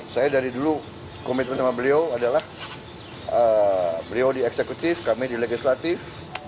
saya dari dulu komitmen sama beliau adalah beliau di eksekutif kami di legislatif